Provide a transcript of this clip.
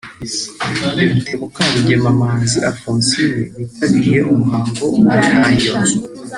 Depite Mukarugema Manzi Alphonsine witabiriye umuhango wo gutaha iyo nzu